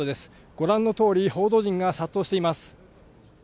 ご覧の通り、報道陣が殺到しています。